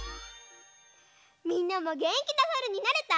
みんなもげんきなさるになれた？